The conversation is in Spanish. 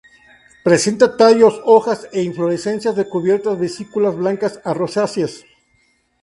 Presenta tallos, hojas e inflorescencias de cubiertas vesículas blancas a rosáceas.